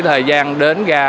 thời gian đến ga